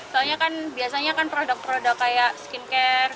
soalnya kan biasanya kan produk produk kayak skincare